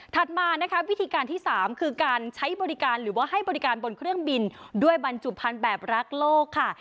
มานะคะวิธีการที่๓คือการใช้บริการหรือว่าให้บริการบนเครื่องบินด้วยบรรจุภัณฑ์แบบรักโลกค่ะ